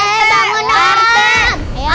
jangan jangan om rt pingsan